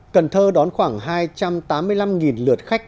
cần thơ đón khoảng hai trăm tám mươi năm lượt khách